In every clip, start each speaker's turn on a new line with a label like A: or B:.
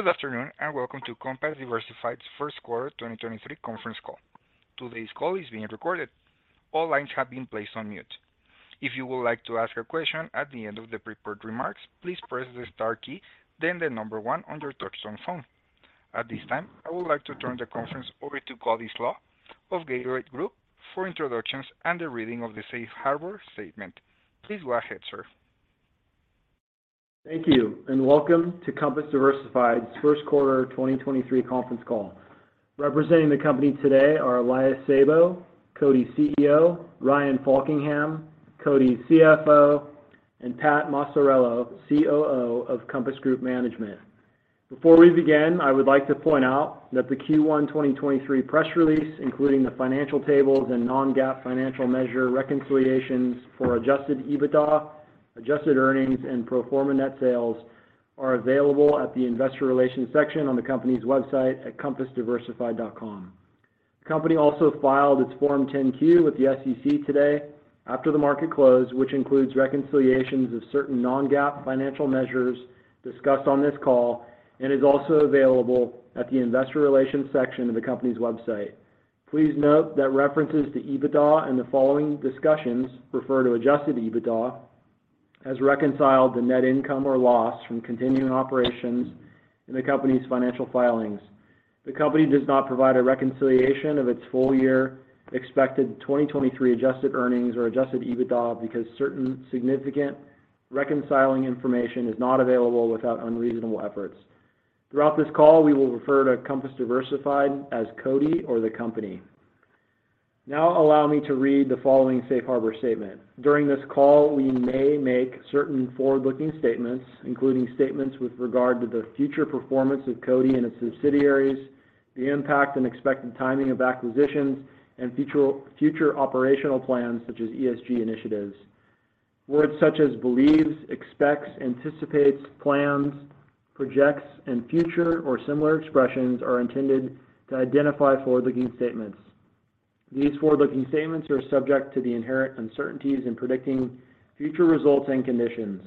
A: Good afternoon, welcome to Compass Diversified's first quarter 2023 conference call. Today's call is being recorded. All lines have been placed on mute. If you would like to ask a question at the end of the prepared remarks, please press the star key, then 1 on your touch tone phone. At this time, I would like to turn the conference over to Cody Slach of Gateway Group for introductions and the reading of the safe harbor statement. Please go ahead, sir.
B: Thank you. Welcome to Compass Diversified's 1st quarter 2023 conference call. Representing the company today are Elias Sabo, CODI's CEO, Ryan Faulkingham, CODI's CFO, and Pat Maciariello, COO of Compass Group Management. Before we begin, I would like to point out that the Q1 2023 press release, including the financial tables and non-GAAP financial measure reconciliations for adjusted EBITDA, adjusted earnings, and pro forma net sales, are available at the investor relations section on the company's website at compassdiversified.com. The company also filed its Form 10-Q with the SEC today after the market closed, which includes reconciliations of certain non-GAAP financial measures discussed on this call and is also available at the investor relations section of the company's website. Please note that references to EBITDA in the following discussions refer to adjusted EBITDA as reconciled to net income or loss from continuing operations in the company's financial filings. The company does not provide a reconciliation of its full year expected 2023 adjusted earnings or adjusted EBITDA because certain significant reconciling information is not available without unreasonable efforts. Throughout this call, we will refer to Compass Diversified as CODI or the company. Allow me to read the following safe harbor statement. During this call, we may make certain forward-looking statements, including statements with regard to the future performance of CODI and its subsidiaries, the impact and expected timing of acquisitions, and future operational plans such as ESG initiatives. Words such as believes, expects, anticipates, plans, projects, and future or similar expressions are intended to identify forward-looking statements. These forward-looking statements are subject to the inherent uncertainties in predicting future results and conditions.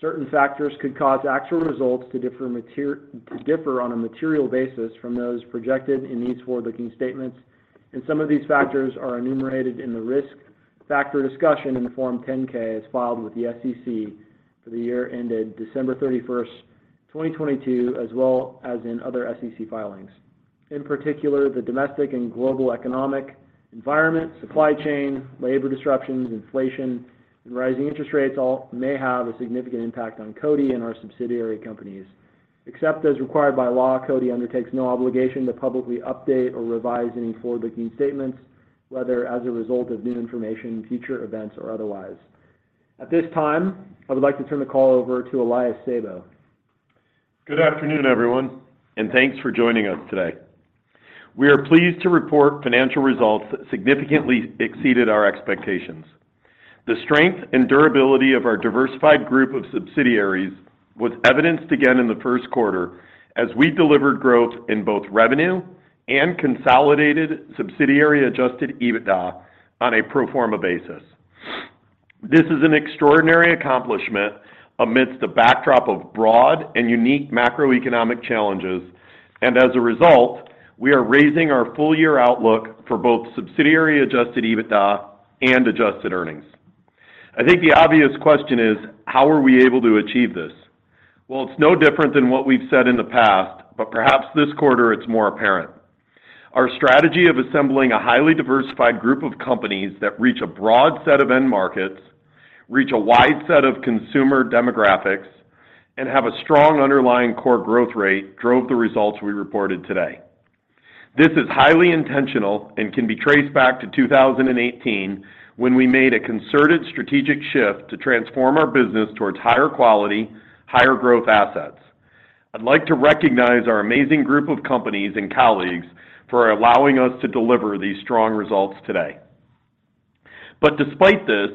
B: Certain factors could cause actual results to differ on a material basis from those projected in these forward-looking statements, and some of these factors are enumerated in the risk factor discussion in the Form 10-K as filed with the SEC for the year ended December 31st, 2022, as well as in other SEC filings. In particular, the domestic and global economic environment, supply chain, labor disruptions, inflation, and rising interest rates all may have a significant impact on CODI and our subsidiary companies. Except as required by law, CODI undertakes no obligation to publicly update or revise any forward-looking statements, whether as a result of new information, future events, or otherwise. At this time, I would like to turn the call over to Elias Sabo.
C: Good afternoon, everyone, and thanks for joining us today. We are pleased to report financial results that significantly exceeded our expectations. The strength and durability of our diversified group of subsidiaries was evidenced again in the first quarter as we delivered growth in both revenue and consolidated subsidiary adjusted EBITDA on a pro forma basis. This is an extraordinary accomplishment amidst a backdrop of broad and unique macroeconomic challenges, and as a result, we are raising our full year outlook for both subsidiary adjusted EBITDA and adjusted earnings. I think the obvious question is: How are we able to achieve this? Well, it's no different than what we've said in the past, but perhaps this quarter it's more apparent. Our strategy of assembling a highly diversified group of companies that reach a broad set of end markets, reach a wide set of consumer demographics, and have a strong underlying core growth rate drove the results we reported today. This is highly intentional and can be traced back to 2018 when we made a concerted strategic shift to transform our business towards higher quality, higher growth assets. I'd like to recognize our amazing group of companies and colleagues for allowing us to deliver these strong results today. Despite this,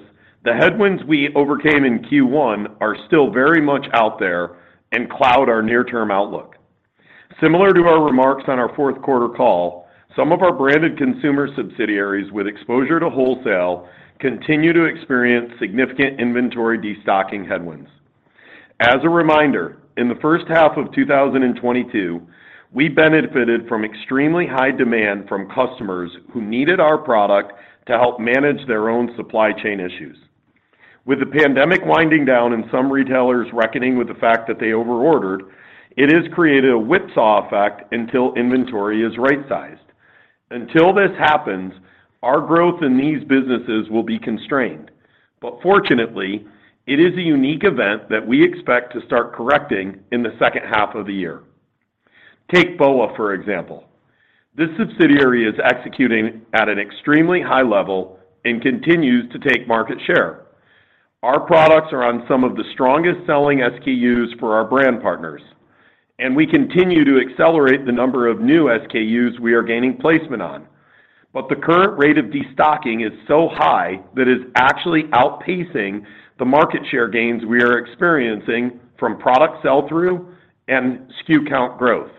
C: the headwinds we overcame in Q1 are still very much out there and cloud our near-term outlook. Similar to our remarks on our fourth quarter call, some of our branded consumer subsidiaries with exposure to wholesale continue to experience significant inventory destocking headwinds. As a reminder, in the first half of 2022, we benefited from extremely high demand from customers who needed our product to help manage their own supply chain issues. With the pandemic winding down and some retailers reckoning with the fact that they over ordered, it has created a whipsaw effect until inventory is right-sized. Until this happens, our growth in these businesses will be constrained. Fortunately, it is a unique event that we expect to start correcting in the second half of the year. Take BOA, for example. This subsidiary is executing at an extremely high level and continues to take market share. Our products are on some of the strongest selling SKUs for our brand partners, and we continue to accelerate the number of new SKUs we are gaining placement on. The current rate of destocking is so high that it's actually outpacing the market share gains we are experiencing from product sell-through and SKU count growth.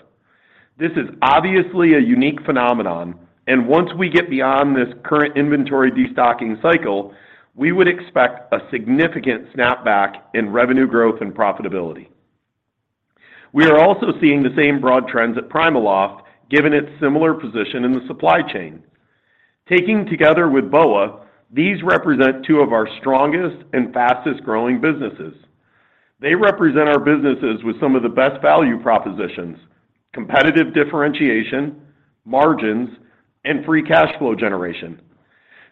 C: This is obviously a unique phenomenon, and once we get beyond this current inventory destocking cycle, we would expect a significant snapback in revenue growth and profitability. We are also seeing the same broad trends at PrimaLoft, given its similar position in the supply chain. Taken together with BOA, these represent two of our strongest and fastest-growing businesses. They represent our businesses with some of the best value propositions, competitive differentiation, margins, and free cash flow generation.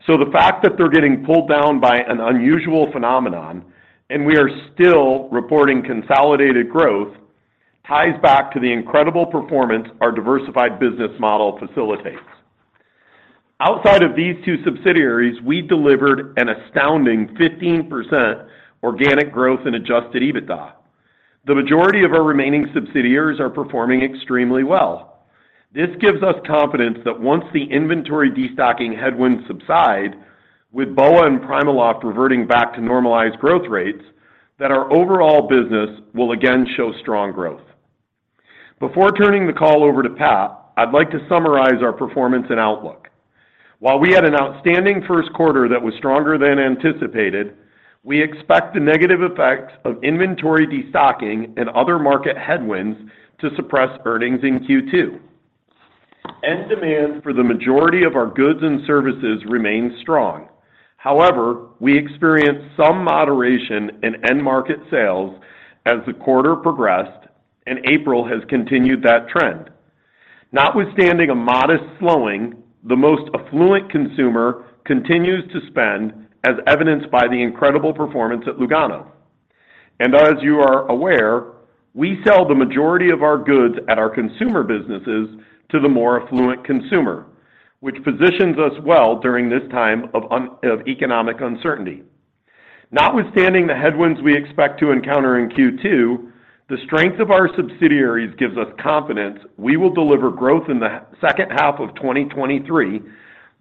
C: The fact that they're getting pulled down by an unusual phenomenon and we are still reporting consolidated growth ties back to the incredible performance our diversified business model facilitates. Outside of these two subsidiaries, we delivered an astounding 15% organic growth in adjusted EBITDA. The majority of our remaining subsidiaries are performing extremely well. This gives us confidence that once the inventory destocking headwinds subside, with BOA and PrimaLoft reverting back to normalized growth rates, that our overall business will again show strong growth. Before turning the call over to Pat Maciariello, I'd like to summarize our performance and outlook. While we had an outstanding 1st quarter that was stronger than anticipated, we expect the negative effect of inventory destocking and other market headwinds to suppress earnings in Q2. End demand for the majority of our goods and services remains strong. However, we experienced some moderation in end market sales as the quarter progressed, and April has continued that trend. Notwithstanding a modest slowing, the most affluent consumer continues to spend as evidenced by the incredible performance at Lugano. As you are aware, we sell the majority of our goods at our consumer businesses to the more affluent consumer, which positions us well during this time of economic uncertainty. Notwithstanding the headwinds we expect to encounter in Q2, the strength of our subsidiaries gives us confidence we will deliver growth in the second half of 2023,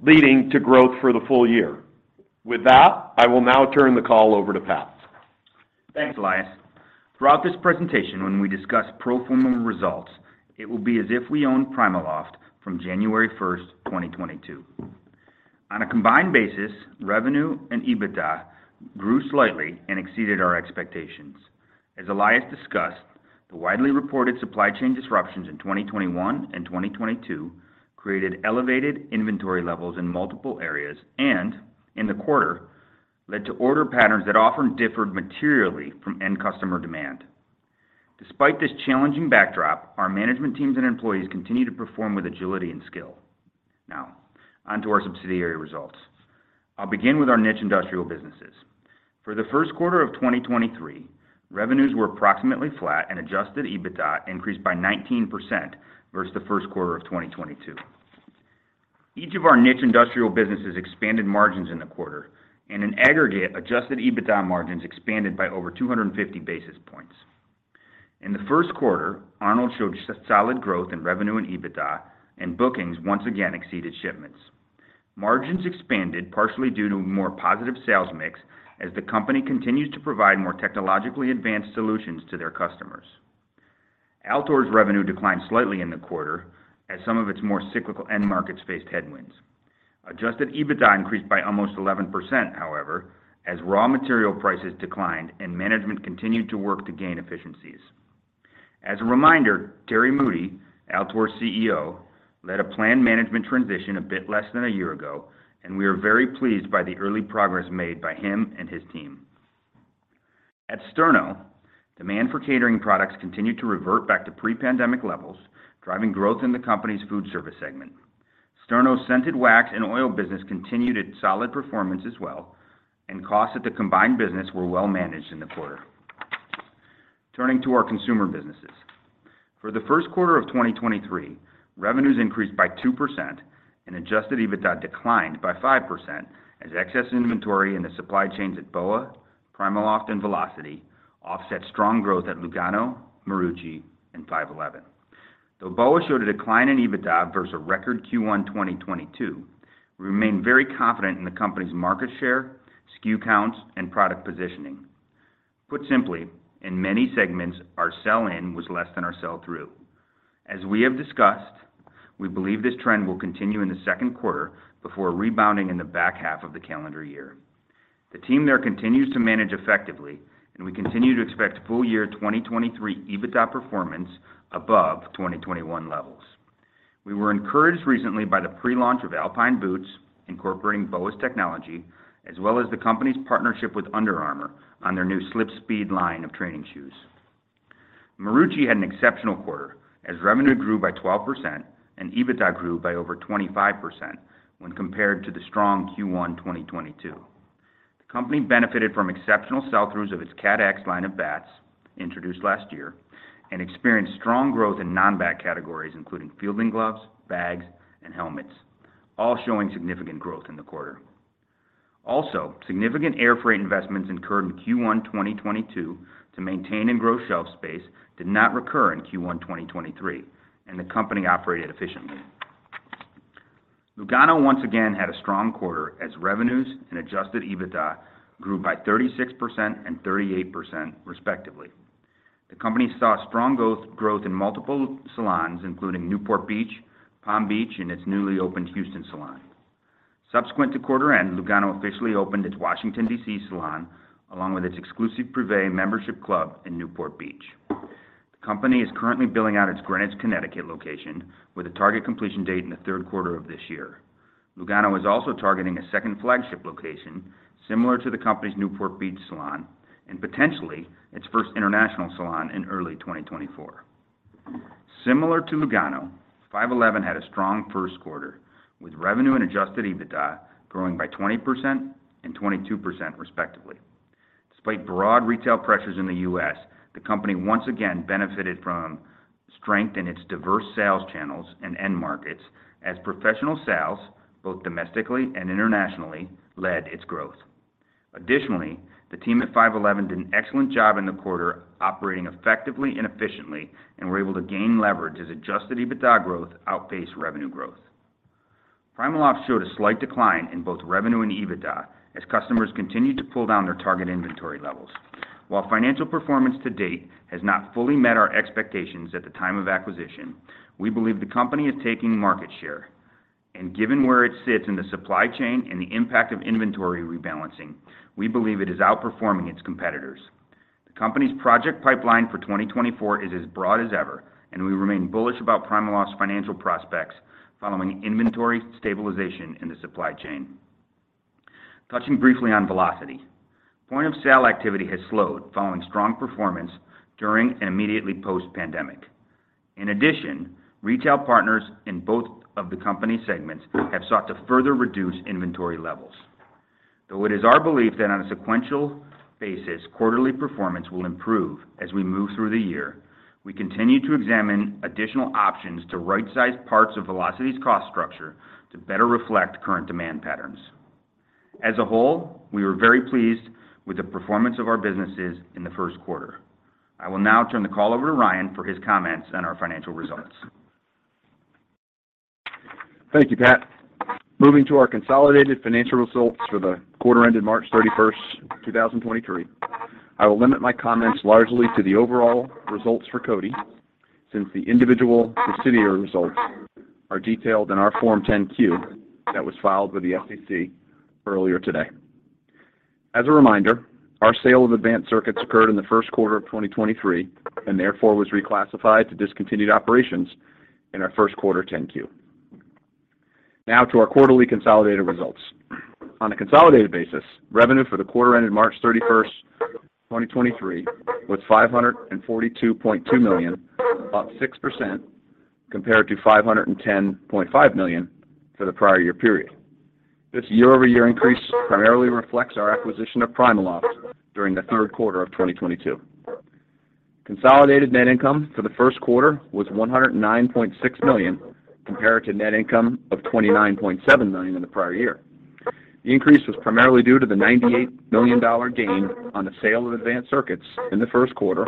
C: leading to growth for the full year. With that, I will now turn the call over to Pat Maciariello.
D: Thanks, Elias Sabo. Throughout this presentation, when we discuss pro forma results, it will be as if we own PrimaLoft from January first, 2022. On a combined basis, revenue and EBITDA grew slightly and exceeded our expectations. As Elias Sabo discussed, the widely reported supply chain disruptions in 2021 and 2022 created elevated inventory levels in multiple areas and, in the quarter, led to order patterns that often differed materially from end customer demand. Despite this challenging backdrop, our management teams and employees continue to perform with agility and skill. On to our subsidiary results. I'll begin with our niche industrial businesses. For the first quarter of 2023, revenues were approximately flat and adjusted EBITDA increased by 19% versus the first quarter of 2022. Each of our niche industrial businesses expanded margins in the quarter. In aggregate, adjusted EBITDA margins expanded by over 250 basis points. In the first quarter, Arnold showed solid growth in revenue and EBITDA. Bookings once again exceeded shipments. Margins expanded partially due to more positive sales mix as the company continues to provide more technologically advanced solutions to their customers. Altor's revenue declined slightly in the quarter as some of its more cyclical end markets faced headwinds. Adjusted EBITDA increased by almost 11%, however, as raw material prices declined and management continued to work to gain efficiencies. As a reminder, Terry Moody, Altor's CEO, led a planned management transition a bit less than a year ago. We are very pleased by the early progress made by him and his team. At Sterno, demand for catering products continued to revert back to pre-pandemic levels, driving growth in the company's food service segment. Sterno's scented wax and oil business continued its solid performance as well. Costs at the combined business were well managed in the quarter. Turning to our consumer businesses. For the first quarter of 2023, revenues increased by 2% and adjusted EBITDA declined by 5% as excess inventory in the supply chains at BOA, PrimaLoft, and Velocity offset strong growth at Lugano, Marucci, and 511. Though BOA showed a decline in EBITDA versus a record Q1 2022, we remain very confident in the company's market share, SKU counts, and product positioning. Put simply, in many segments, our sell-in was less than our sell-through. As we have discussed, we believe this trend will continue in the second quarter before rebounding in the back half of the calendar year. The team there continues to manage effectively. We continue to expect full year 2023 EBITDA performance above 2021 levels. We were encouraged recently by the pre-launch of Alpine Boots, incorporating BOA's technology, as well as the company's partnership with Under Armour on their new SlipSpeed line of training shoes. Marucci had an exceptional quarter as revenue grew by 12% and EBITDA grew by over 25% when compared to the strong Q1 2022. The company benefited from exceptional sell-throughs of its CATX line of bats, introduced last year, and experienced strong growth in non-bat categories, including fielding gloves, bags, and helmets, all showing significant growth in the quarter. Significant air freight investments incurred in Q1 2022 to maintain and grow shelf space did not recur in Q1 2023, and the company operated efficiently. Lugano once again had a strong quarter as revenues and adjusted EBITDA grew by 36% and 38% respectively. The company saw strong growth in multiple salons, including Newport Beach, Palm Beach, and its newly opened Houston salon. Subsequent to quarter end, Lugano officially opened its Washington, D.C. salon along with its exclusive Privé membership club in Newport Beach. The company is currently billing out its Greenwich, Connecticut location with a target completion date in the third quarter of this year. Lugano is also targeting a second flagship location similar to the company's Newport Beach salon and potentially its first international salon in early 2024. Similar to Lugano, 5.11 had a strong first quarter with revenue and adjusted EBITDA growing by 20% and 22% respectively. Despite broad retail pressures in the U.S., the company once again benefited from strength in its diverse sales channels and end markets as professional sales both domestically and internationally led its growth. Additionally, the team at 5.11 did an excellent job in the quarter operating effectively and efficiently and were able to gain leverage as adjusted EBITDA growth outpaced revenue growth. PrimaLoft showed a slight decline in both revenue and EBITDA as customers continued to pull down their target inventory levels. While financial performance to date has not fully met our expectations at the time of acquisition, we believe the company is taking market share. Given where it sits in the supply chain and the impact of inventory rebalancing, we believe it is outperforming its competitors. The company's project pipeline for 2024 is as broad as ever, and we remain bullish about PrimaLoft's financial prospects following inventory stabilization in the supply chain. Touching briefly on Velocity. Point of sale activity has slowed following strong performance during and immediately post-pandemic. In addition, retail partners in both of the company segments have sought to further reduce inventory levels. Though it is our belief that on a sequential basis, quarterly performance will improve as we move through the year, we continue to examine additional options to right-size parts of Velocity's cost structure to better reflect current demand patterns. As a whole, we were very pleased with the performance of our businesses in the first quarter. I will now turn the call over to Ryan Faulkingham for his comments on our financial results.
E: Thank you, Pat Maciariello. Moving to our consolidated financial results for the quarter ended March 31st, 2023, I will limit my comments largely to the overall results for CODI, since the individual subsidiary results are detailed in our Form 10-Q that was filed with the SEC earlier today. As a reminder, our sale of Advanced Circuits occurred in the first quarter of 2023 and therefore was reclassified to discontinued operations in our first quarter 10-Q. To our quarterly consolidated results. On a consolidated basis, revenue for the quarter ended March 31st, 2023 was $542.2 million, up 6% compared to $510.5 million for the prior year period. This year-over-year increase primarily reflects our acquisition of PrimaLoft during the third quarter of 2022. Consolidated net income for the first quarter was $109.6 million compared to net income of $29.7 million in the prior year. The increase was primarily due to the $98 million gain on the sale of Advanced Circuits in the first quarter,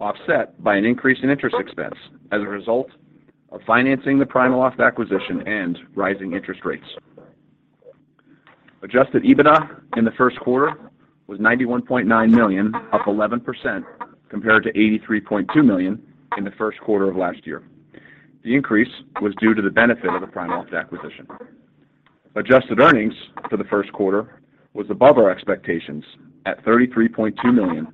E: offset by an increase in interest expense as a result of financing the PrimaLoft acquisition and rising interest rates. Adjusted EBITDA in the first quarter was $91.9 million, up 11% compared to $83.2 million in the first quarter of last year. The increase was due to the benefit of the PrimaLoft acquisition. Adjusted earnings for the first quarter was above our expectations at $33.2 million,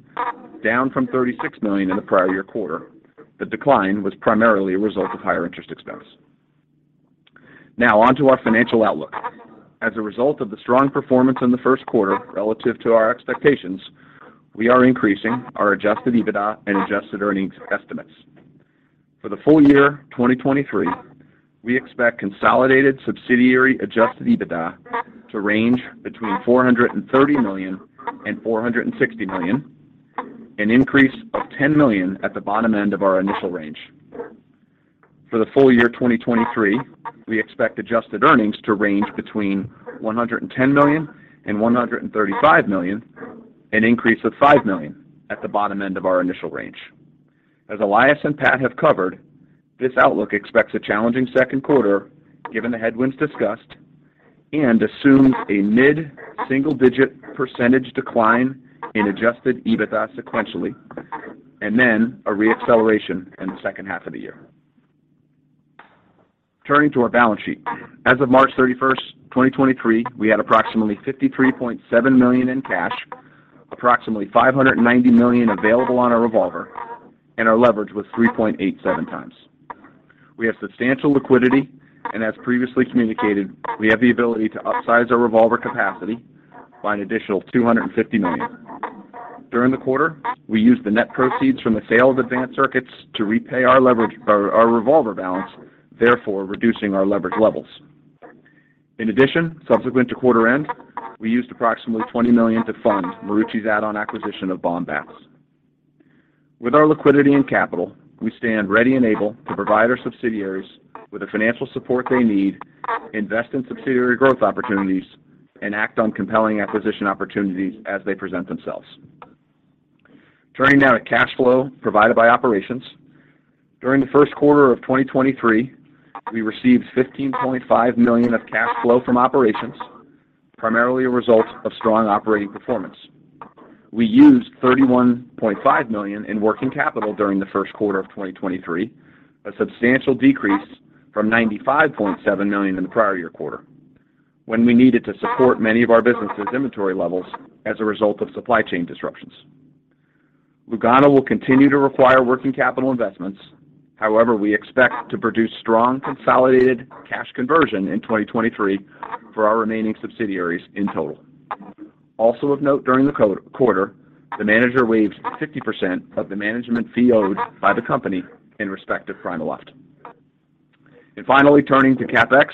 E: down from $36 million in the prior year quarter. The decline was primarily a result of higher interest expense. On to our financial outlook. As a result of the strong performance in the first quarter relative to our expectations, we are increasing our adjusted EBITDA and adjusted earnings estimates. For the full year 2023, we expect consolidated subsidiary adjusted EBITDA to range between $430 million and $460 million, an increase of $10 million at the bottom end of our initial range. For the full year 2023, we expect adjusted earnings to range between $110 million and $135 million, an increase of $5 million at the bottom end of our initial range. As Elias Sabo and Pat Maciariello have covered, this outlook expects a challenging second quarter given the headwinds discussed and assumes a mid-single digit % decline in adjusted EBITDA sequentially, and then a re-acceleration in the second half of the year. Turning to our balance sheet. As of March 31, 2023, we had approximately $53.7 million in cash, approximately $590 million available on our revolver, and our leverage was 3.87 times. We have substantial liquidity, and as previously communicated, we have the ability to upsize our revolver capacity by an additional $250 million. During the quarter, we used the net proceeds from the sale of Advanced Circuits to repay our revolver balance, therefore reducing our leverage levels. In addition, subsequent to quarter end, we used approximately $20 million to fund Marucci's add-on acquisition of Baum Bat. With our liquidity and capital, we stand ready and able to provide our subsidiaries with the financial support they need, invest in subsidiary growth opportunities, and act on compelling acquisition opportunities as they present themselves. Turning now to cash flow provided by operations. During the first quarter of 2023, we received $15.5 million of cash flow from operations, primarily a result of strong operating performance. We used $31.5 million in working capital during the first quarter of 2023, a substantial decrease from $95.7 million in the prior year quarter when we needed to support many of our businesses inventory levels as a result of supply chain disruptions. Lugano will continue to require working capital investments. However, we expect to produce strong consolidated cash conversion in 2023 for our remaining subsidiaries in total. Also of note, during the quarter, the manager waived 50% of the management fee owed by the company in respect of PrimaLoft. Finally, turning to CapEx.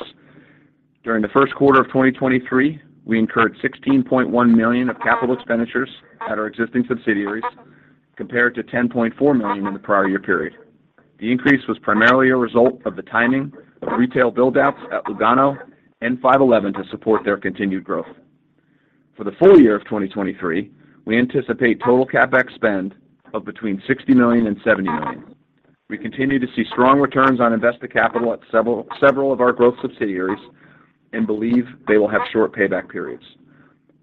E: During the first quarter of 2023, we incurred $16.1 million of capital expenditures at our existing subsidiaries, compared to $10.4 million in the prior year period. The increase was primarily a result of the timing of retail build-outs at Lugano and 5.11 to support their continued growth. For the full year of 2023, we anticipate total CapEx spend of between $60 million and $70 million. We continue to see strong returns on invested capital at several of our growth subsidiaries and believe they will have short payback periods.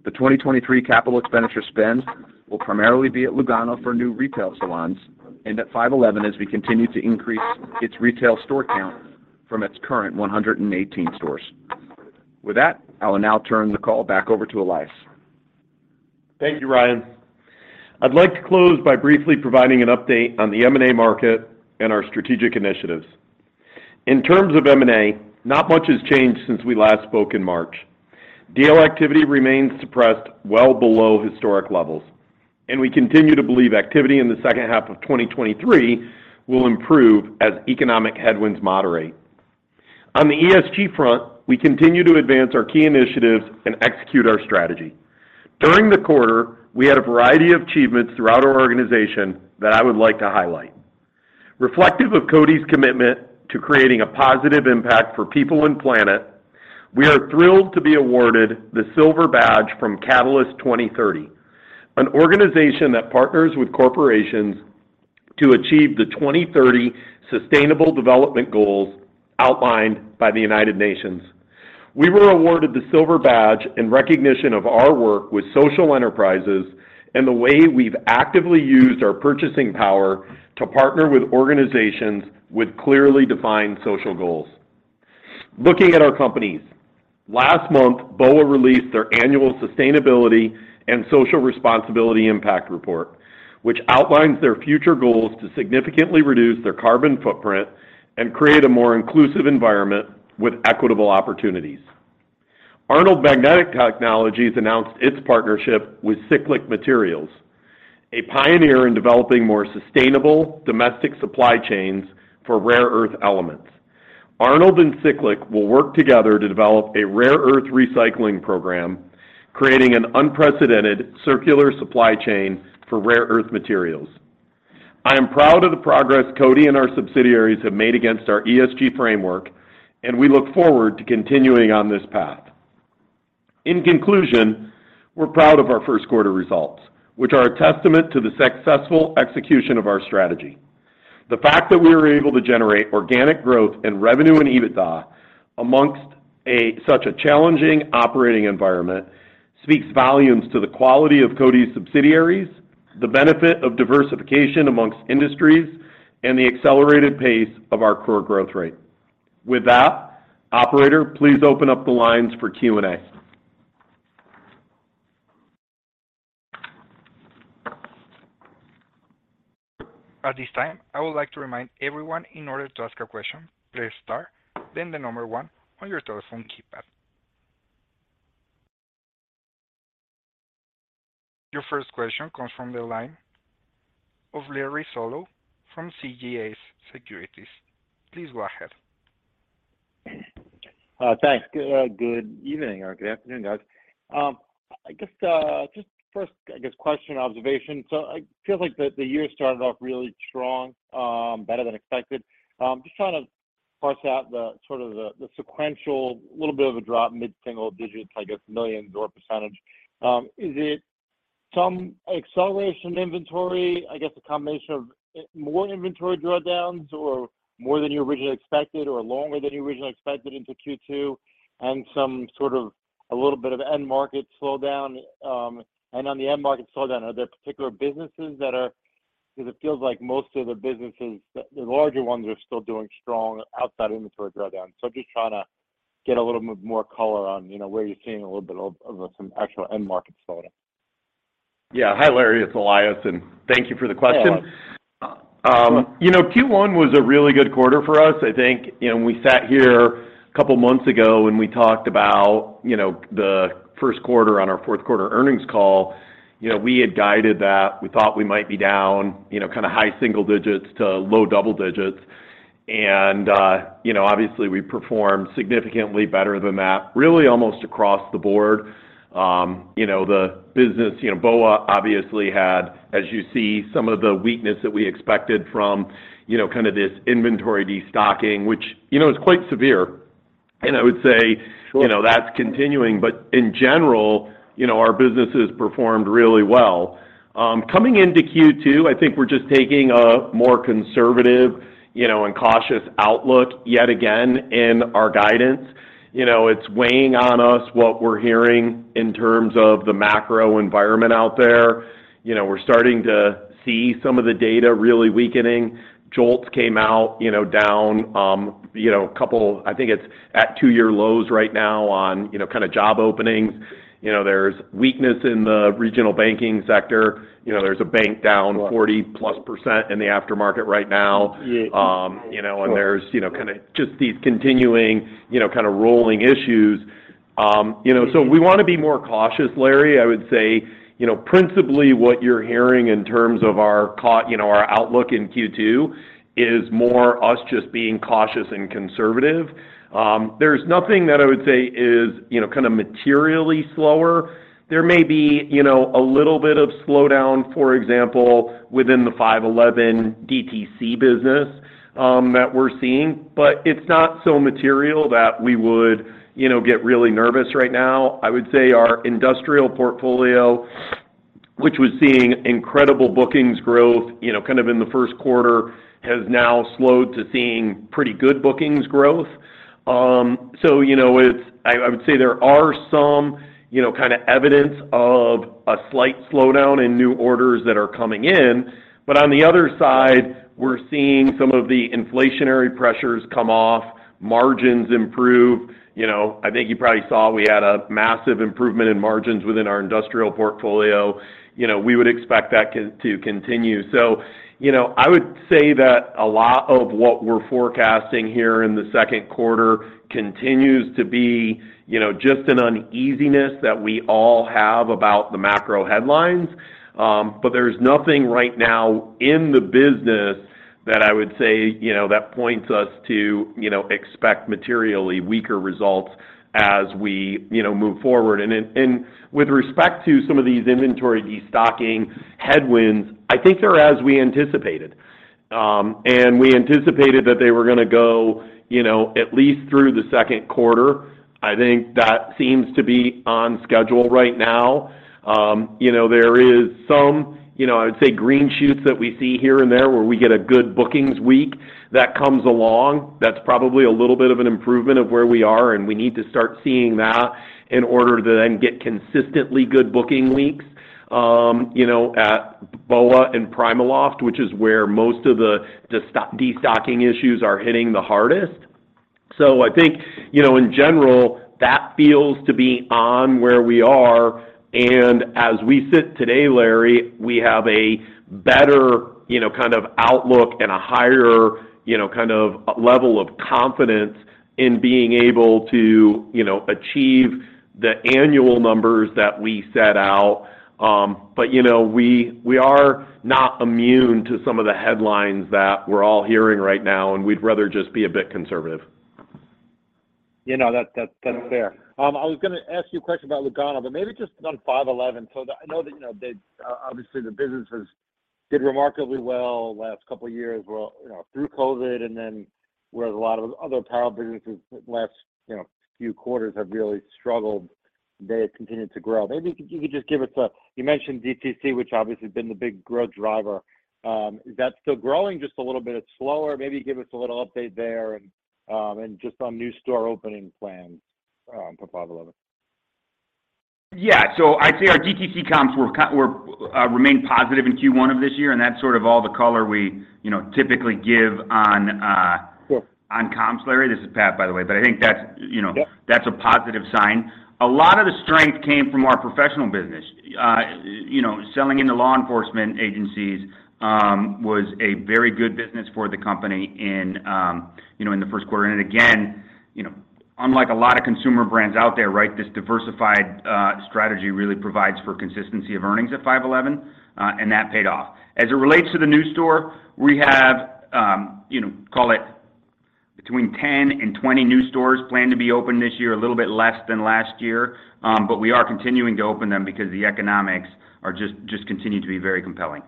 E: The 2023 capital expenditure spend will primarily be at Lugano for new retail salons and at 5.11 as we continue to increase its retail store count from its current 118 stores. With that, I will now turn the call back over to Elias Sabo.
C: Thank you, Ryan Faulkingham. I'd like to close by briefly providing an update on the M&A market and our strategic initiatives. In terms of M&A, not much has changed since we last spoke in March. Deal activity remains suppressed well below historic levels, and we continue to believe activity in the second half of 2023 will improve as economic headwinds moderate. On the ESG front, we continue to advance our key initiatives and execute our strategy. During the quarter, we had a variety of achievements throughout our organization that I would like to highlight. Reflective of CODI's commitment to creating a positive impact for people and planet, we are thrilled to be awarded the Silver Badge from Catalyst 2030, an organization that partners with corporations to achieve the 2030 Sustainable Development Goals outlined by the United Nations. We were awarded the Silver Badge in recognition of our work with social enterprises and the way we've actively used our purchasing power to partner with organizations with clearly defined social goals. Last month, BOA released their annual Sustainability and Social Responsibility Impact Report, which outlines their future goals to significantly reduce their carbon footprint and create a more inclusive environment with equitable opportunities. Arnold Magnetic Technologies announced its partnership with Cyclic Materials, a pioneer in developing more sustainable domestic supply chains for rare earth elements. Arnold and Cyclic will work together to develop a rare earth recycling program, creating an unprecedented circular supply chain for rare earth materials. I am proud of the progress Cody and our subsidiaries have made against our ESG framework, and we look forward to continuing on this path. In conclusion, we're proud of our first quarter results, which are a testament to the successful execution of our strategy. The fact that we were able to generate organic growth in revenue and EBITDA amongst such a challenging operating environment speaks volumes to the quality of CODI's subsidiaries, the benefit of diversification amongst industries, and the accelerated pace of our core growth rate. With that, operator, please open up the lines for Q&A.
A: At this time, I would like to remind everyone, in order to ask a question, press Star, then the 1 on your telephone keypad. Your first question comes from the line of Larry Solow from CJS Securities. Please go ahead.
F: Thanks. Good evening or good afternoon, guys. First question observation. It feels like the year started off really strong, better than expected. Just trying to parse out the sort of the sequential little bit of a drop, mid-single digits, I guess, million or percentage. Is it some acceleration inventory? A combination of more inventory drawdowns or more than you originally expected or longer than you originally expected into Q2 and some sort of a little bit of end market slowdown. And on the end market slowdown, are there particular businesses that are, because it feels like most of the businesses, the larger ones are still doing strong outside inventory drawdown. Just trying to get a little more color on where you're seeing a little bit of some actual end market slowdown.
C: Yeah. Hi, Larry Solow, it's Elias Sabo, and thank you for the question.
F: Hello.
C: Q1 was a really good quarter for us. I think we sat here a couple months ago when we talked about the first quarter on our fourth quarter earnings call. We had guided that. We thought we might be down high single digits to low double digits. Obviously we performed significantly better than that, really almost across the board. The business, BOA obviously had, as you see, some of the weakness that we expected from this inventory destocking, which is quite severe. I would say that's continuing. In general, our business has performed really well. Coming into Q2, I think we're just taking a more conservative and cautious outlook yet again in our guidance. It's weighing on us what we're hearing in terms of the macro environment out there. We're starting to see some of the data really weakening. JOLTS came out down, a couple. I think it's at 2-year lows right now on job openings. There's weakness in the regional banking sector. there's a bank down 40%+ in the after market right now. There's just these continuing rolling issues. We want to be more cautious, Larry Solow. I would say principally what you're hearing in terms of our outlook in Q2 is more us just being cautious and conservative. There's nothing that I would say is materially slower. There may be a little bit of slowdown, for example, within the 5.11 DTC business that we're seeing, but it's not so material that we would get really nervous right now. I would say our industrial portfolio, which was seeing incredible bookings growth in the first quarter, has now slowed to seeing pretty good bookings growth. I would say there are some evidence of a slight slowdown in new orders that are coming in. On the other side, we're seeing some of the inflationary pressures come off, margins improve. I think you probably saw we had a massive improvement in margins within our industrial portfolio. We would expect that to continue. I would say that a lot of what we're forecasting here in the second quarter continues to be just an uneasiness that we all have about the macro headlines. But there's nothing right now in the business that I would say that points us to expect materially weaker results as we move forward. With respect to some of these inventory destocking headwinds, I think they're as we anticipated. And we anticipated that they were gonna go at least through the second quarter. I think that seems to be on schedule right now. There is some I would say green shoots that we see here and there, where we get a good bookings week that comes along. That's probably a little bit of an improvement of where we are, and we need to start seeing that in order to then get consistently good booking weeks at BOA and PrimaLoft, which is where most of the destocking issues are hitting the hardest. I think in general, that feels to be on where we are. As we sit today, Larry, we have a better kind of outlook and a higher kind of level of confidence in being able to achieve the annual numbers that we set out. We are not immune to some of the headlines that we're all hearing right now, and we'd rather just be a bit conservative.
F: That's fair. I was gonna ask you a question about Lugano, maybe just on 5.11. I know that, obviously the business has did remarkably well last couple years through COVID. Where a lot of other apparel businesses last few quarters have really struggled, they have continued to grow. Maybe you could just give us a. You mentioned DTC, which obviously has been the big growth driver. Is that still growing just a little bit? It's slower? Maybe give us a little update there and just on new store opening plans for 5.11.
C: Yeah. I'd say our DTC comps remained positive in Q1 of this year, and that's sort of all the color we typically give on comps, Larry. This is Pat Maciariello, by the way. I think that's, That's a positive sign. A lot of the strength came from our professional business. Selling into law enforcement agencies, was a very good business for the company in the first quarter. Again unlike a lot of consumer brands out there, right, this diversified strategy really provides for consistency of earnings at 5.11, and that paid off. As it relates to the new store, we have call it between 10 and 20 new stores planned to be open this year, a little bit less than last year. We are continuing to open them because the economics are just continue to be very compelling.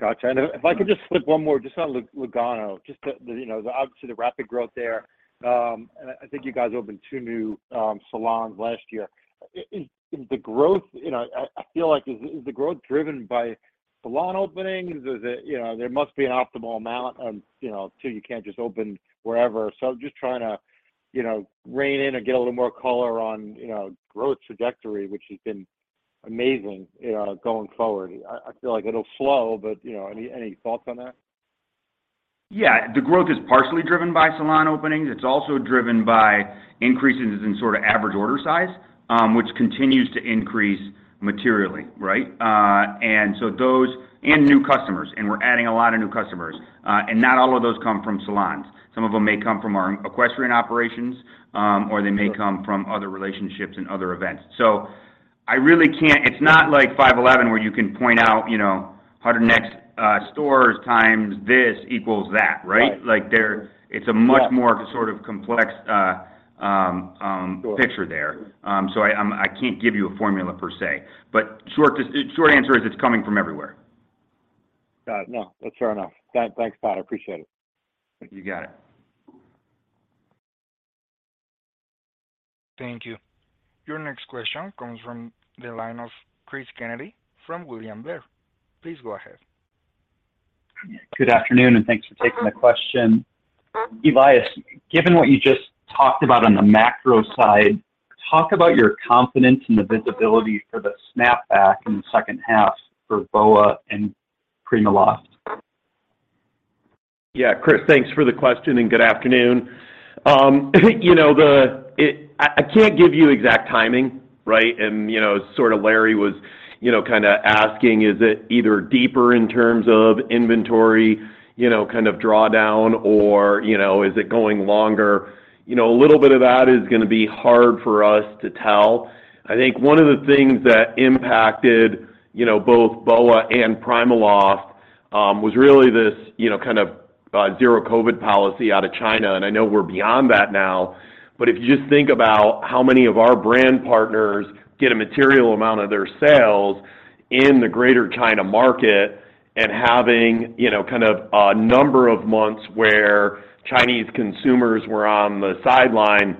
F: Gotcha. If I could just slip one more just on Lugano, just the obviously the rapid growth there. I think you guys opened 2 new salons last year. Is the growth I feel like is the growth driven by salon openings? Is it there must be an optimal amount too. You can't just open wherever. Just trying to rein in or get a little more color on growth trajectory, which has been amazing going forward. I feel like it'll slow, butany thoughts on that?
G: The growth is partially driven by salon openings. It's also driven by increases in sort of average order size, which continues to increase materially, right? Those and new customers, and we're adding a lot of new customers. Not all of those come from salons. Some of them may come from our equestrian operations, or they may come from other relationships and other events. I really can't... It's not like 5.11 where you can point out 100 next, stores times this equals that, right?
F: Right.
G: Like, it's a much more sort of complex picture there. I can't give you a formula per se. Short answer is it's coming from everywhere. Got it. No, that's fair enough. Thanks, Pat Maciariello. I appreciate it.
H: You got it.
A: Thank you. Your next question comes from the line of Christopher Kennedy from William Blair. Please go ahead.
I: Good afternoon. Thanks for taking the question. Elias Sabo, given what you just talked about on the macro side, talk about your confidence in the visibility for the snapback in the second half for BOA and PrimaLoft?
C: Yeah, Chris, thanks for the question and good afternoon. I can't give you exact timing, right? Larry Solow wasasking is it either deeper in terms of inventory kind of drawdown or is it going longer? A little bit of that is gonna be hard for us to tell. I think one of the things that impacted both BOA and PrimaLoft, was really this kind of zero COVID policy out of China, and I know we're beyond that now. If you just think about how many of our brand partners get a material amount of their sales in the Greater China market and having a number of months where Chinese consumers were on the sideline,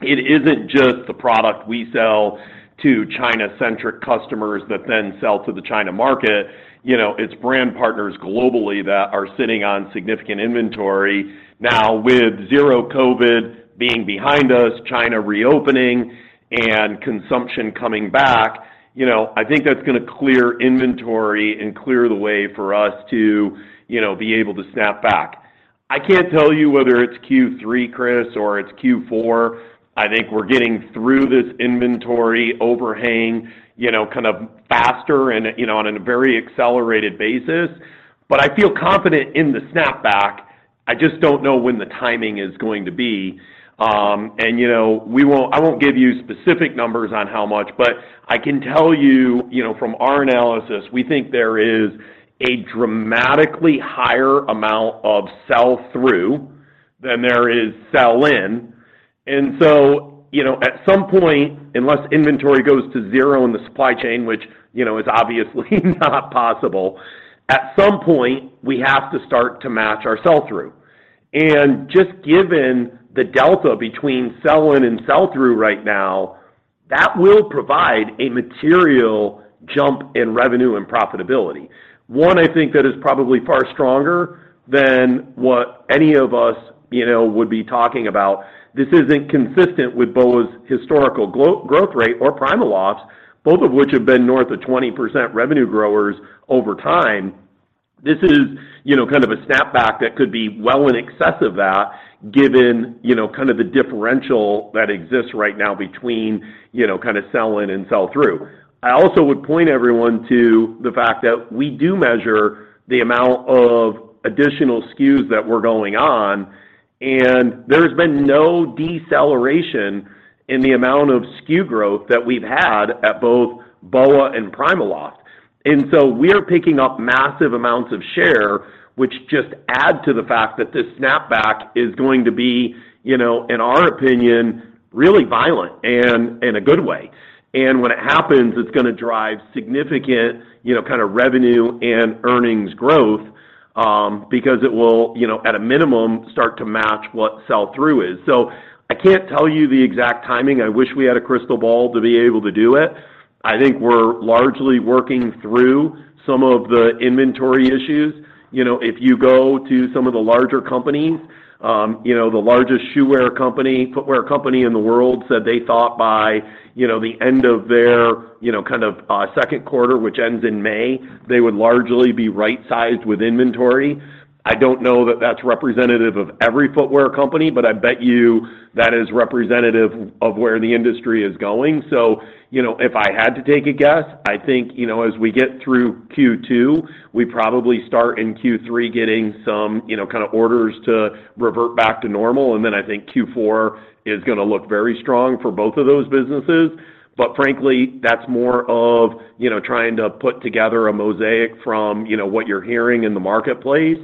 C: it isn't just the product we sell to China-centric customers that then sell to the China market. It's brand partners globally that are sitting on significant inventory. With zero COVID being behind us, China reopening, and consumption coming back I think that's gonna clear inventory and clear the way for us to be able to snap back. I can't tell you whether it's Q3, Chris, or it's Q4. I think we're getting through this inventory overhang, kind of faster and on a very accelerated basis. I feel confident in the snapback. I just don't know when the timing is going to be. I won't give you specific numbers on how much, but I can tell from our analysis, we think there is a dramatically higher amount of sell-through than there is sell-in. At some point, unless inventory goes to zero in the supply chain, which is obviously not possible, at some point, we have to start to match our sell-through. Just given the delta between sell-in and sell-through right now, that will provide a material jump in revenue and profitability. One, I think that is probably far stronger than what any of us would be talking about. This isn't consistent with BOA's historical glo-growth rate or PrimaLoft's, both of which have been north of 20% revenue growers over time. This is a snapback that could be well in excess of that given the differential that exists right now between sell-in and sell-through. I also would point everyone to the fact that we do measure the amount of additional SKUs that we're going on, and there's been no deceleration in the amount of SKU growth that we've had at both BOA and PrimaLoft. We're picking up massive amounts of share, which just add to the fact that this snapback is going to bein our opinion, really violent and in a good way. When it happens, it's gonna drive significant revenue and earnings growth, because it will at a minimum, start to match what sell-through is. I can't tell you the exact timing. I wish we had a crystal ball to be able to do it. I think we're largely working through some of the inventory issues. If you go to some of the larger companies the largest shoe wear company, footwear company in the world said they thought by the end of their kind of second quarter, which ends in May, they would largely be right-sized with inventory. I don't know that that's representative of every footwear company, but I bet you that is representative of where the industry is going. If I had to take a guess, I think as we get through Q2, we probably start in Q3 getting some orders to revert back to normal. I think Q4 is gonna look very strong for both of those businesses. Frankly, that's more of trying to put together a mosaic from what you're hearing in the marketplace,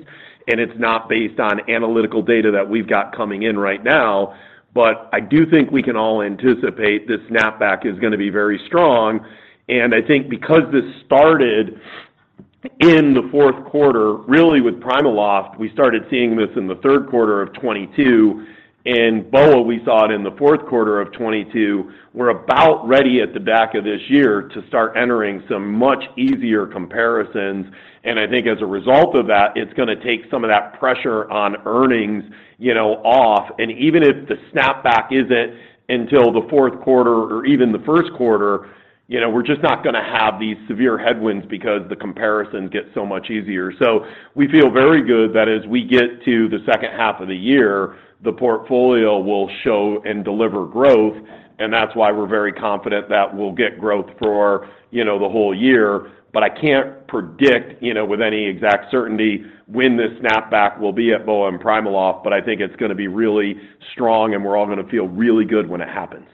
C: and it's not based on analytical data that we've got coming in right now. I do think we can all anticipate this snapback is gonna be very strong. I think because this started in the fourth quarter, really with PrimaLoft, we started seeing this in the third quarter of 2022, and BOA, we saw it in the fourth quarter of 2022. We're about ready at the back of this year to start entering some much easier comparisons. I think as a result of that, it's gonna take some of that pressure on earnings off. Even if the snapback isn't until the fourth quarter or even the first quarter we're just not gonna have these severe headwinds because the comparison gets so much easier. We feel very good that as we get to the second half of the year, the portfolio will show and deliver growth, and that's why we're very confident that we'll get growth for the whole year. I can't predict with any exact certainty when this snapback will be at BOA and PrimaLoft, but I think it's gonna be really strong, and we're all gonna feel really good when it happens.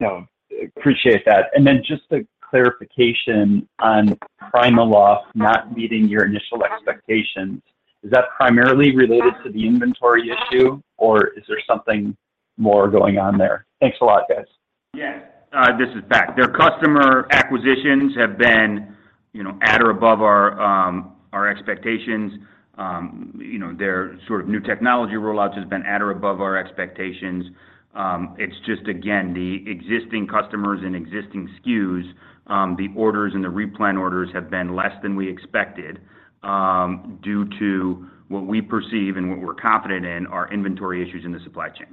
I: No, appreciate that. Just a clarification on PrimaLoft not meeting your initial expectations, is that primarily related to the inventory issue, or is there something
E: More going on there. Thanks a lot, guys.
C: This is Pat Maciariello. Their customer acquisitions have been at or above our expectations. Their sort of new technology rollouts has been at or above our expectations. It's just, again, the existing customers and existing SKUs, the orders and the replan orders have been less than we expected, due to what we perceive and what we're confident in are inventory issues in the supply chain.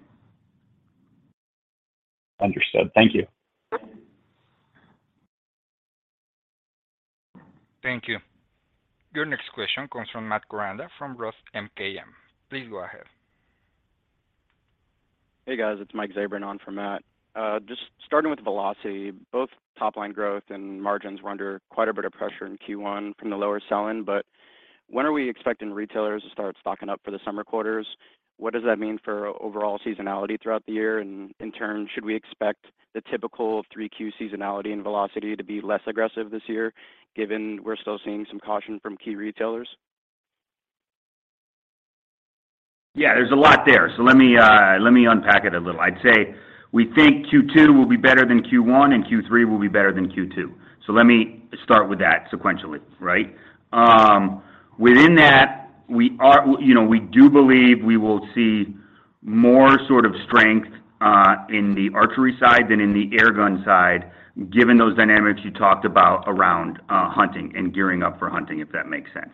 E: Understood. Thank you.
A: Thank you. Your next question comes from Matt Koranda from ROTH MKM. Please go ahead.
J: Hey, guys. It's Mike Zabrin on for Matt. Just starting with Velocity Outdoor, both top line growth and margins were under quite a bit of pressure in Q1 from the lower selling. When are we expecting retailers to start stocking up for the summer quarters? What does that mean for overall seasonality throughout the year? In turn, should we expect the typical 3Q seasonality and Velocity Outdoor to be less aggressive this year, given we're still seeing some caution from key retailers?
C: Yeah, there's a lot there. Let me unpack it a little. I'd say we think Q2 will be better than Q1. Q3 will be better than Q2. Let me start with that sequentially, right? Within that we do believe we will see more sort of strength in the archery side than in the airgun side, given those dynamics you talked about around hunting and gearing up for hunting, if that makes sense.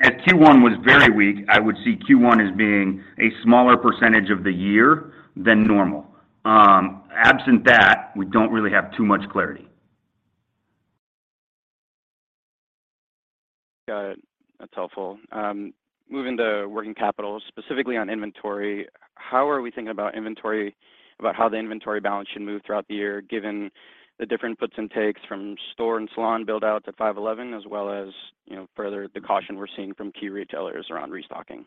C: As Q1 was very weak, I would see Q1 as being a smaller percentage of the year than normal. Absent that, we don't really have too much clarity.
J: Got it. That's helpful. Moving to working capital, specifically on inventory, how are we thinking about how the inventory balance should move throughout the year, given the different puts and takes from store and salon build out to 5.11 as well as further the caution we're seeing from key retailers around restocking?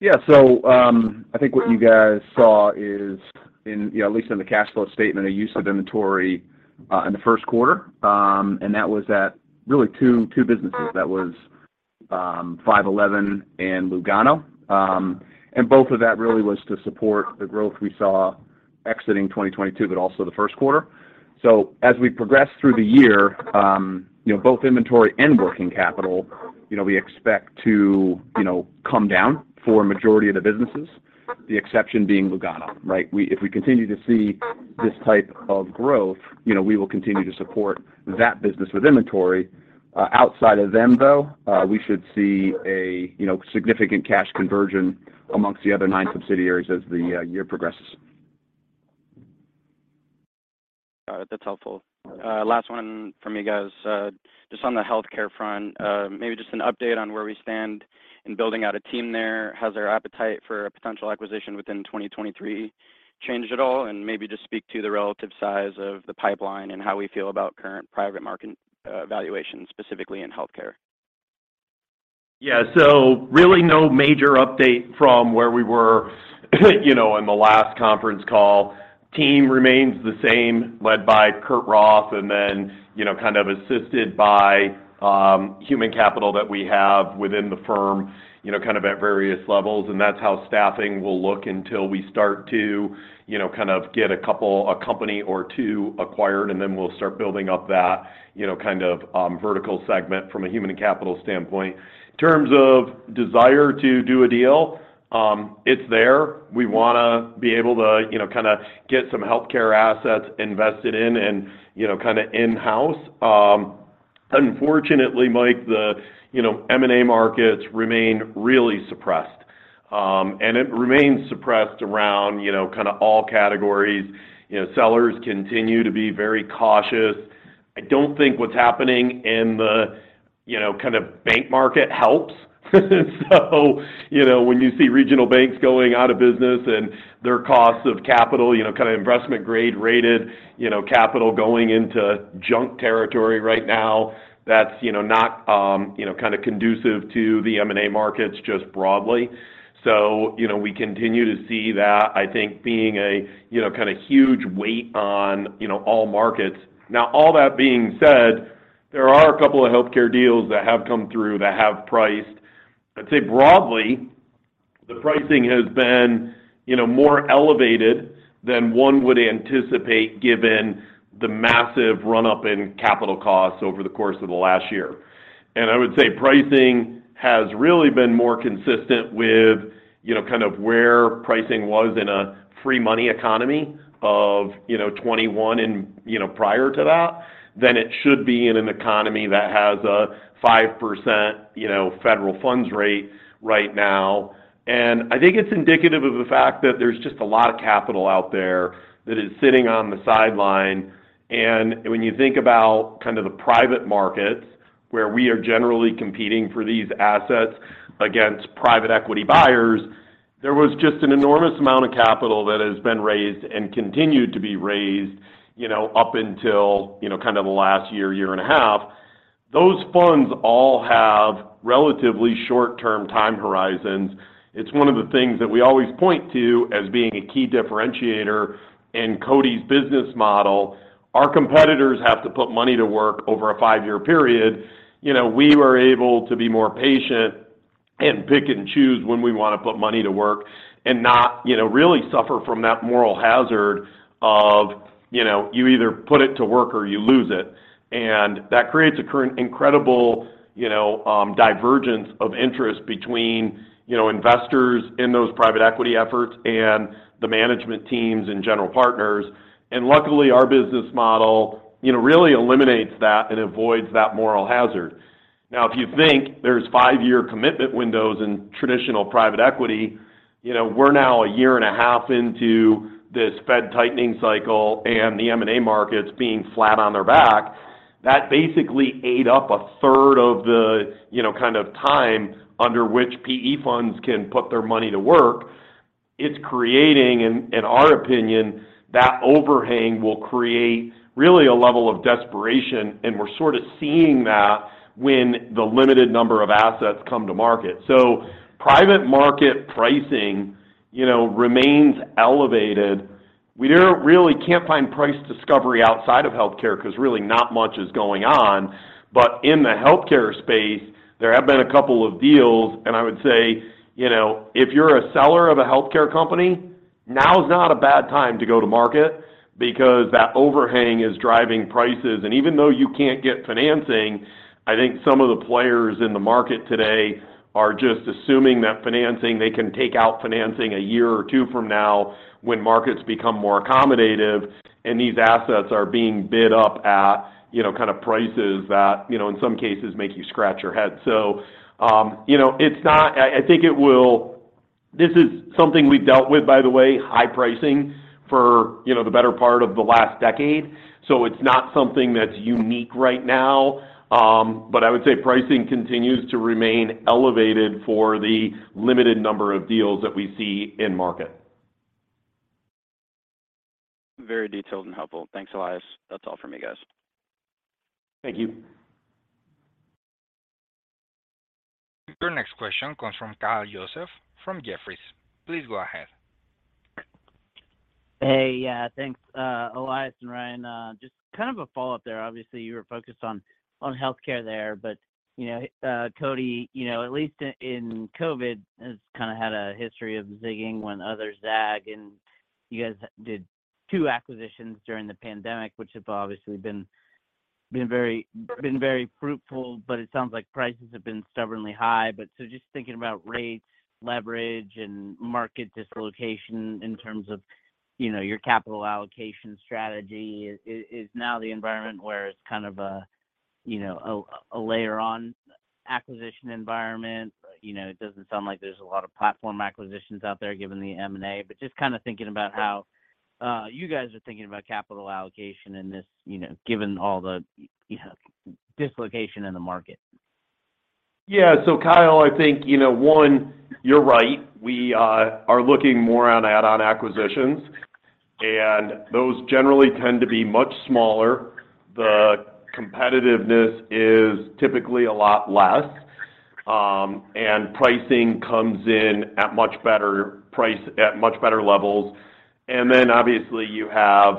E: Yeah. I think what you guys saw is in at least in the cash flow statement, a use of inventory in the first quarter, and that was at really two businesses. That was 5.11 and Lugano. Both of that really was to support the growth we saw exiting 2022, but also the first quarter. As we progress through the year both inventory and working capital we expect to come down for a majority of the businesses. The exception being Lugano, right? If we continue to see this type of growth we will continue to support that business with inventory. Outside of them, though, we should see a significant cash conversion amongst the other nine subsidiaries as the year progresses.
J: Got it. That's helpful. Last one from you guys. Just on the healthcare front, maybe just an update on where we stand in building out a team there. Has our appetite for a potential acquisition within 2023 changed at all? Maybe just speak to the relative size of the pipeline and how we feel about current private market, valuation, specifically in healthcare.
C: Yeah. Really no major update from where we were on the last conference call. Team remains the same, led by Kurt Roth, and then kind of assisted by human capital that we have within the firm kind of at various levels, and that's how staffing will look until we start to get a company or two acquired, and then we'll start building up that kind of vertical segment from a human and capital standpoint. In terms of desire to do a deal, it's there. We want to be able to get some healthcare assets invested in and, in-house. Unfortunately, Mike Zabrin, the M&A markets remain really suppressed. It remains suppressed around all categories. Sellers continue to be very cautious. I don't think what's happening in the bank market helps. When you see regional banks going out of business and their costs of capital investment grade rated capital going into junk territory right now, that's not conducive to the M&A markets just broadly. We continue to see that, I think, being a huge weight on all markets. Now, all that being said, there are a couple of healthcare deals that have come through that have priced. I'd say broadly, the pricing has been more elevated than one would anticipate given the massive run-up in capital costs over the course of the last year. I would say pricing has really been more consistent with where pricing was in a free money economy of, 2021 and prior to that than it should be in an economy that has a 5% federal funds rate right now. I think it's indicative of the fact that there's just a lot of capital out there that is sitting on the sideline. When you think about kind of the private markets where we are generally competing for these assets against private equity buyers, there was just an enormous amount of capital that has been raised and continued to be raised up until the last year and a half. Those funds all have relatively short-term time horizons. It's one of the things that we always point to as being a key differentiator in CODI's business model. Our competitors have to put money to work over a five-year period. We were able to be more patient and pick and choose when we want to put money to work and not really suffer from that moral hazard of you either put it to work or you lose it. That creates incredible divergence of interest between investors in those private equity efforts and the management teams and general partners. Luckily, our business model really eliminates that and avoids that moral hazard. Now, if you think there's five-year commitment windows in traditional private equity we're now 1.5 years into this Fed tightening cycle and the M&A markets being flat on their back. That basically ate up a third of the kind of time under which PE funds can put their money to work. It's creating in our opinion, that overhang will create really a level of desperation, and we're sort of seeing that when the limited number of assets come to market. Private market pricing remains elevated. We can't find price discovery outside of healthcare 'cause really not much is going on. In the healthcare space, there have been a couple of deals, and I would say if you're a seller of a healthcare company, now is not a bad time to go to market because that overhang is driving prices. Even though you can't get financing, I think some of the players in the market today are just assuming that financing. They can take out financing a year or two from now when markets become more accommodative, and these assets are being bid up at prices that in some cases make you scratch your head. It's not. I think it will. This is something we've dealt with, by the way, high pricing for the better part of the last decade. It's not something that's unique right now, but I would say pricing continues to remain elevated for the limited number of deals that we see in market.
J: Very detailed and helpful. Thanks, Elias Sabo. That's all from me, guys.
C: Thank you.
A: Your next question comes from Kyle Joseph from Jefferies. Please go ahead.
K: Hey. Yeah, thanks, Elias Sabo and Ryan. Just kind of a follow-up there. Obviously, you were focused on healthcare there, but CODI at least in COVID, has kind of had a history of zigging when others zag. You guys did two acquisitions during the pandemic, which have obviously been very fruitful, but it sounds like prices have been stubbornly high. Just thinking about rates, leverage, and market dislocation in terms of your capital allocation strategy. Is now the environment where it's a layer on acquisition environment? It doesn't sound like there's a lot of platform acquisitions out there given the M&A. Just thinking about how you guys are thinking about capital allocation in this given all the dislocation in the market.
C: Kyle Joseph, I think one, you're right. We are looking more on add-on acquisitions, and those generally tend to be much smaller. The competitiveness is typically a lot less, and pricing comes in at much better levels. Obviously you have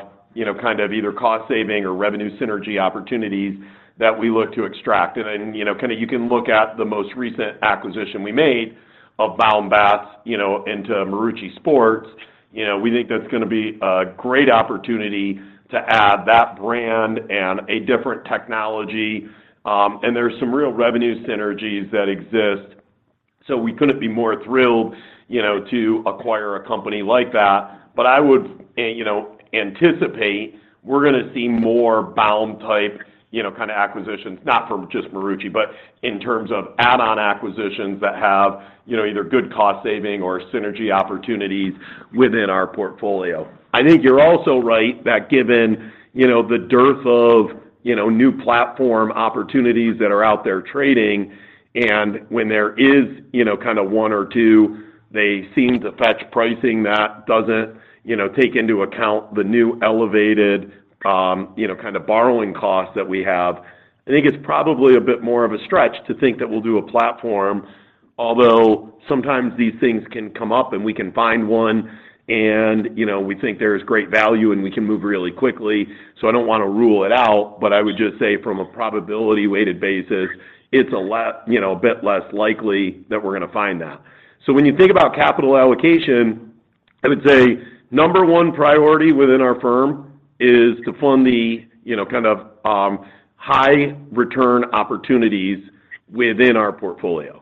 C: kind of either cost saving or revenue synergy opportunities that we look to extract. You can look at the most recent acquisition we made of Baum Bat into Marucci Sports. We think that's gonna be a great opportunity to add that brand and a different technology, and there's some real revenue synergies that exist. We couldn't be more thrilled to acquire a company like that. I would anticipate we're gonna see more Baum-type acquisitions, not for just Marucci, but in terms of add-on acquisitions that have either good cost saving or synergy opportunities within our portfolio. I think you're also right that given the dearth of new platform opportunities that are out there trading, and when there is one or two, they seem to fetch pricing that doesn't take into account the new elevated, borrowing costs that we have. I think it's probably a bit more of a stretch to think that we'll do a platform, although sometimes these things can come up, and we can find one and we think there's great value, and we can move really quickly. I don't wanna rule it out, but I would just say from a probability weighted basis, it's a bit less likely that we're gonna find that. When you think about capital allocation, I would say number 1 priority within our firm is to fund the high return opportunities within our portfolio.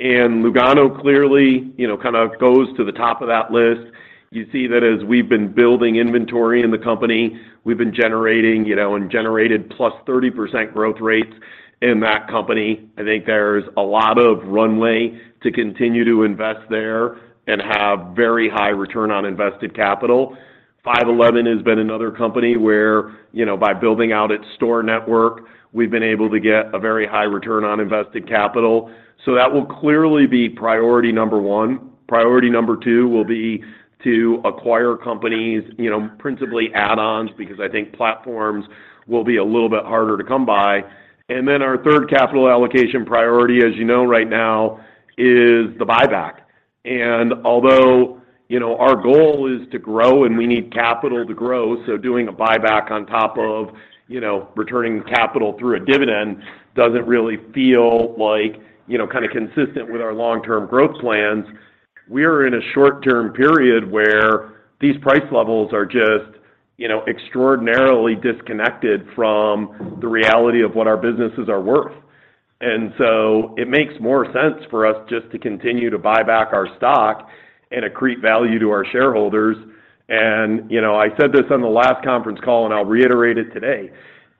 C: Lugano clearly kind of goes to the top of that list. You see that as we've been building inventory in the company, we've been generating and generated +30% growth rates in that company. I think there's a lot of runway to continue to invest there and have very high return on invested capital. 5.11 has been another company where by building out its store network, we've been able to get a very high return on invested capital. That will clearly be priority number one. Priority number two will be to acquire companies principally add-ons, because I think platforms will be a little bit harder to come by. Our third capital allocation priority, as right now, is the buyback. Although our goal is to grow and we need capital to grow, so doing a buyback on top of returning capital through a dividend doesn't really feel like consistent with our long-term growth plans. We're in a short-term period where these price levels are just extraordinarily disconnected from the reality of what our businesses are worth. It makes more sense for us just to continue to buy back our stock and accrete value to our shareholders. I said this on the last conference call, I'll reiterate it today: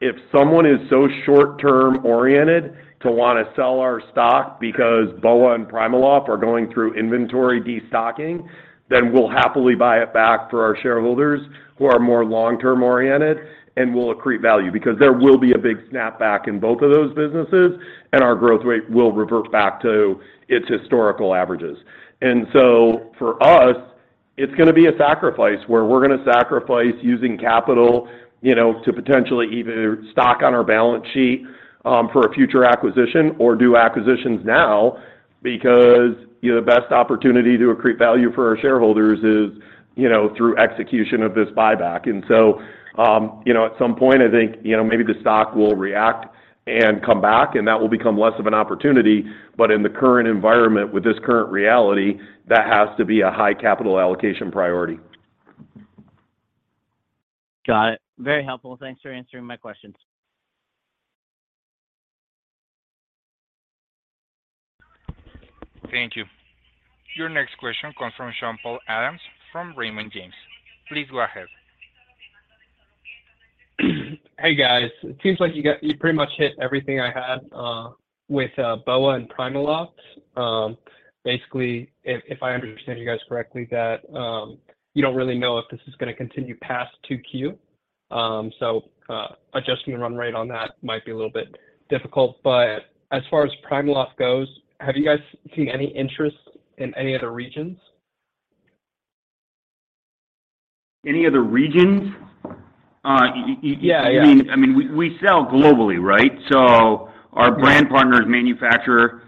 C: If someone is so short-term oriented to wanna sell our stock because BOA and PrimaLoft are going through inventory destocking, then we'll happily buy it back for our shareholders who are more long-term oriented, and we'll accrete value. There will be a big snapback in both of those businesses, and our growth rate will revert back to its historical averages. For us, it's gonna be a sacrifice where we're gonna sacrifice using capital to potentially either stock on our balance sheet for a future acquisition or do acquisitions now because the best opportunity to accrete value for our shareholders is through execution of this buyback. At some point I think maybe the stock will react and come back, and that will become less of an opportunity. In the current environment with this current reality, that has to be a high capital allocation priority.
K: Got it. Very helpful. Thanks for answering my questions.
A: Thank you. Your next question comes from Sean-Paul Adams from Raymond James. Please go ahead.
H: Hey, guys. It seems like you pretty much hit everything I had with BOA and PrimaLoft. Basically, if I understand you guys correctly that, you don't really know if this is gonna continue past 2Q. Adjusting the run rate on that might be a little bit difficult. As far as PrimaLoft goes, have you guys seen any interest in any other regions?
C: Any other regions?
H: Yeah.
C: I mean, we sell globally, right? Our brand partners manufacture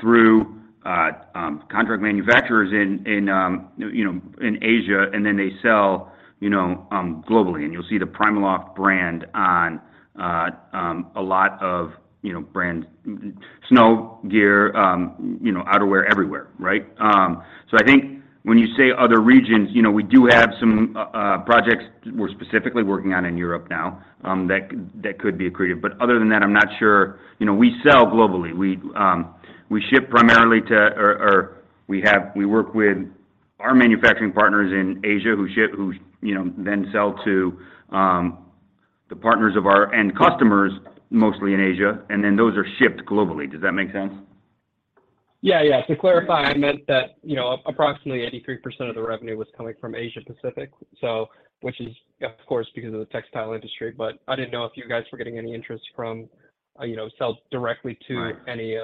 C: through contract manufacturers in Asia, and then they sell globally. You'll see the PrimaLoft brand on a lot of brand snow gear outerwear everywhere, right? I think when you say other regions we do have some projects we're specifically working on in Europe now that could be accretive. Other than that, I'm not sure. We sell globally. We ship primarily to... we work with our manufacturing partners in Asia who then sell to the partners of our end customers, mostly in Asia, and then those are shipped globally. Does that make sense?
H: Yeah, yeah. To clarify, I meant that approximately 83% of the revenue was coming from Asia-Pacific. Which is of course because of the textile industry. I didn't know if you guys were getting any interest from sales directly to any.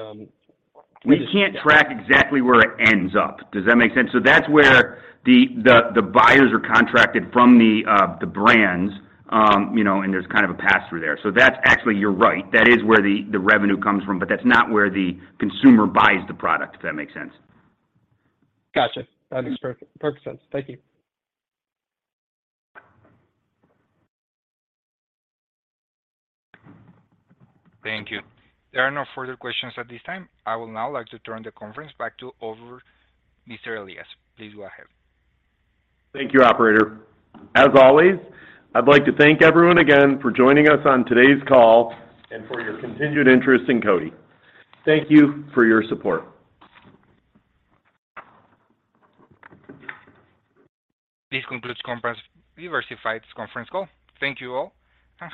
C: We can't track exactly where it ends up. Does that make sense? That's where the buyers are contracted from the brands and there's kind of a pass-through there. That's actually, you're right. That is where the revenue comes from, but that's not where the consumer buys the product, if that makes sense.
H: Gotcha. That makes perfect sense. Thank you.
A: Thank you. There are no further questions at this time. I would now like to turn the conference back to over Mr. Elias Sabo. Please go ahead.
C: Thank you, operator. As always, I'd like to thank everyone again for joining us on today's call and for your continued interest in CODI. Thank you for your support.
A: This concludes Diversified's conference call. Thank you all, and have a great day.